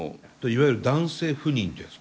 いわゆる男性不妊ですか？